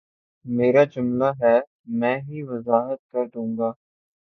میرا جملہ ہے میں ہی وضاحت کر دوں گا